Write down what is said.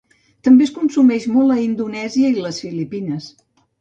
També es consumeix molt a Indonèsia i les Filipines.